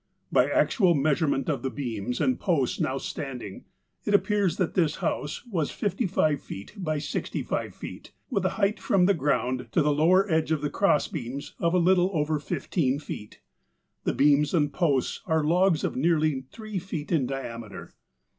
By actual measurement of the beams and posts now standing, it ai)pears that this house was fifty five feet by sixty five feet, with a height from the ground to the lower edge of the cross beams of a little over fifteen feet. The beams and posts are logs of nearly three feet in di ameter.